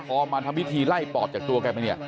พอมาทำพิธีไล่ปอบจากตัวแกไปเนี่ย